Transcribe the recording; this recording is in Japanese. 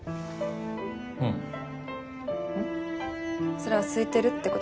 それはすいてるって事ですか？